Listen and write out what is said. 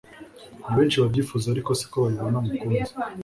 nibenshi babyifuza ariko siko babibona mukunzi